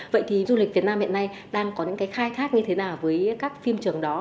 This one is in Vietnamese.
vậy thì du lịch việt nam hiện nay đang có những cái khai thác như thế nào với các phim trường đó